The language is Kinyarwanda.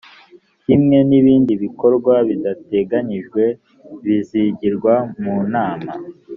kimwe nibindi bikorwa bidateganyijwe bizigirwa mu nama